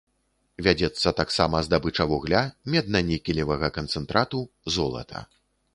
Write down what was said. Вядзецца таксама здабыча вугля, медна-нікелевага канцэнтрату, золата.